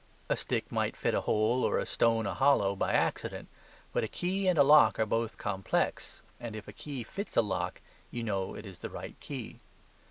A stick might fit a hole or a stone a hollow by accident. But a key and a lock are both complex. And if a key fits a lock, you know it is the right key.